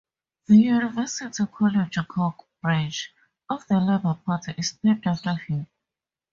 The University College Cork branch of the Labour Party is named after him.